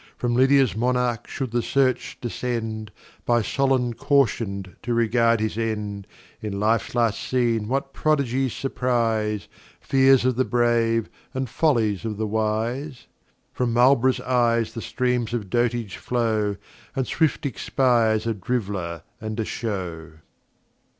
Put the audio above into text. From Lydia's Monarch should the Search descend, By Solon caution'd to regard his End, In Life's last Scene what Prodigies surprise, Fears of the Brave, and Follies of the Wise? From Marlb'rough's Eyes the Streams of Dotage flow, And Swift expires a Driv'ler and a Show.